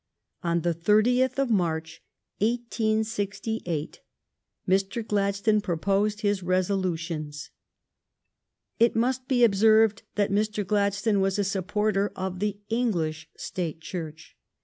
On the thirtieth of March, 1868, Mr. Gladstone proposed his resolutions. It must be observed that Mr. Gladstone was a sup porter of the English State Church.